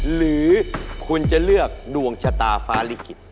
หรือคุณจะเลือกดวงชะตาฟ้าลิขิต